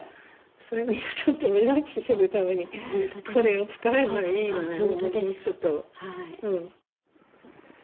それみんなちょっとリラックスするためにこれを使えばいいのねもうちょっと。